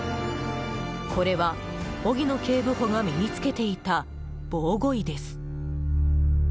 これは荻野警部補が身に着けていた防護衣です。